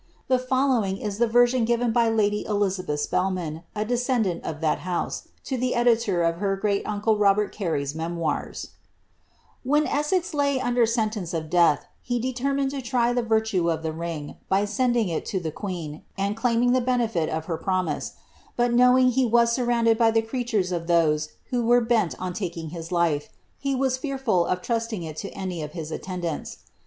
The fol 'ing is the version given by lady Elizabeth Spelman, a descendant of t house, to the editor of her great uncle Robert Carey's memoirs :—* When Essex lay under sentence of death, he determined to try the He of the ring, by sending it to the queen, and claiming the benefit her promise ; but knowing he was surrounded by the creatures of •e who were bent on taking his life, he was fearful of trusting it to ' oi his attendants.